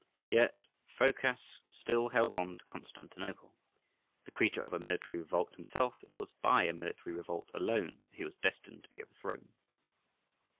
Yet Phocas still held on to Constantinople: the creature of a military revolt himself, it was by a military revolt alone that he was destined to be overthrown.